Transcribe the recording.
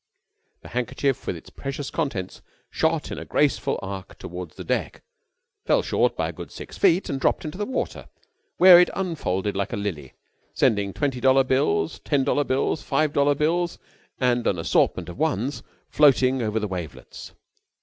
The handkerchief with its precious contents shot in a graceful arc towards the deck, fell short by a good six feet and dropped into the water, where it unfolded like a lily, sending twenty dollar bills, ten dollar bills, five dollar bills, and an assortment of ones floating over the wavelets.